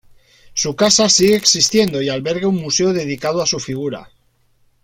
Su casa sigue existiendo y alberga un museo dedicado a su figura.